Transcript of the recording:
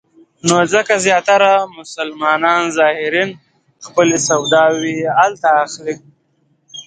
نو ځکه زیاتره مسلمان زایرین خپلې سوداوې هلته اخلي.